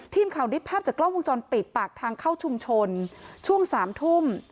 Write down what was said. ทีมข่าวได้ภาพจากกล้องวงจรปิดปากทางเข้าชุมชนช่วงสามทุ่ม